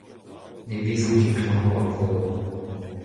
ne vezan ket klañv war vor.